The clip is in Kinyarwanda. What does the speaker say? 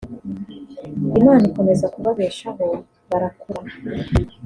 Imana ikomeza kubabeshaho barakura